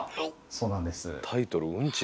そうなんです。